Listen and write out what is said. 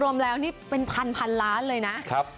รวมแล้วนี่เป็นพันล้านเลยนะ